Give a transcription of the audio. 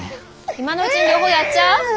今のうちに両方やっちゃう？